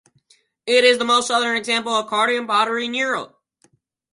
It is the most southern example of Cardium pottery in Europe.